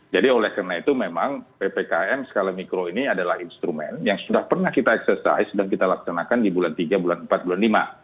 jadi oleh karena itu memang ppkm skala mikro ini adalah instrumen yang sudah pernah kita exercise dan kita laksanakan di bulan tiga bulan empat bulan lima